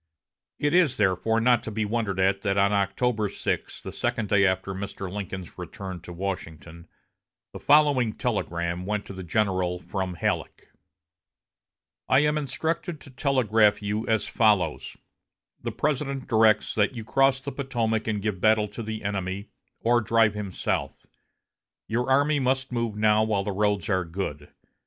It is, therefore, not to be wondered at that on October 6, the second day after Mr. Lincoln's return to Washington, the following telegram went to the general from Halleck: "I am instructed to telegraph you as follows: The President directs that you cross the Potomac and give battle to the enemy, or drive him south. Your army must move now while the roads are good.